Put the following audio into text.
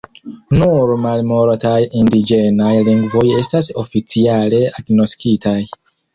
Nur malmultaj indiĝenaj lingvoj estas oficiale agnoskitaj.